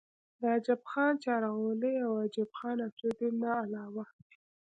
د عجب خان چارغولۍ او عجب خان افريدي نه علاوه